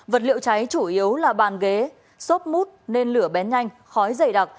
vật liệu cháy chủ yếu là bàn ghế xốp mút nên lửa bén nhanh khói dày đặc